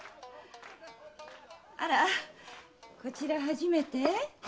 あらこちら初めて？